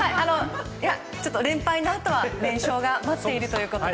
連敗のあとは連勝が待っているということで。